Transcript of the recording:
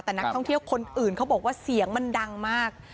แต่นักท่องเที่ยวคนอื่นเขาบอกว่าเสียงมันดังมาก